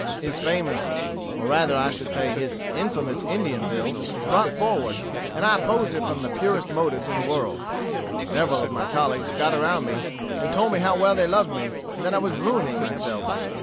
His famous, or rather I should say his infamous Indian bill was brought forward, and I opposed it from the purest motives in the world. Several of my colleagues got around me, and told me how well they loved me, and that I was ruining myself.